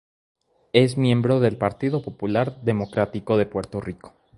Es Miembro del Partido Popular Democrático de Puerto Rico.